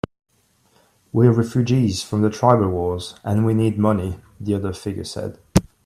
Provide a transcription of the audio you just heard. "We're refugees from the tribal wars, and we need money," the other figure said.